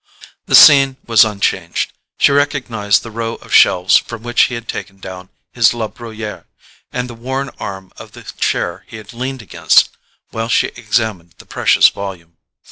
The scene was unchanged. She recognized the row of shelves from which he had taken down his La Bruyere, and the worn arm of the chair he had leaned against while she examined the precious volume.